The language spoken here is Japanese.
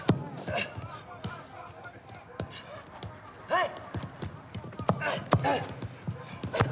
はい！